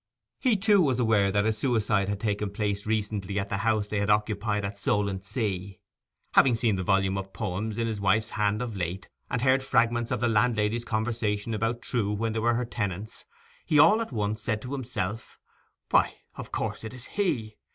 He, too, was aware that a suicide had taken place recently at the house they had occupied at Solentsea. Having seen the volume of poems in his wife's hand of late, and heard fragments of the landlady's conversation about Trewe when they were her tenants, he all at once said to himself; 'Why of course it's he!